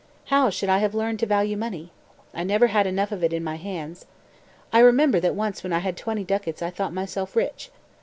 How should I have learned to value money? I never had enough of it in my hands. I remember that once when I had 20 ducats I thought myself rich.